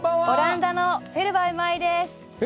オランダのフェルバイ舞です。